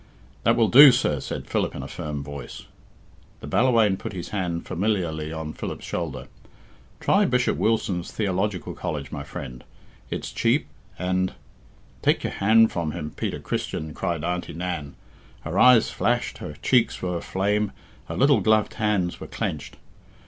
"That will do, sir," said Philip in a firm voice. The Ballawhaine put his hand familiarly on Philip's shoulder. "Try Bishop Wilson's theological college, my friend; its cheap and " "Take your hand from him, Peter Christian," cried Auntie Nan. Her eyes flashed, her cheeks were aflame, her little gloved hands were clenched.